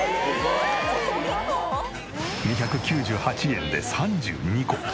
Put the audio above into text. ２９８円で３２個！